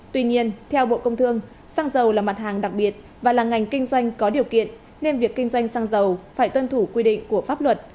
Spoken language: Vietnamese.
tuy nhiên theo bộ công thương xăng dầu là mặt hàng đặc biệt và là ngành kinh doanh có điều kiện nên việc kinh doanh xăng dầu phải tuân thủ quy định của pháp luật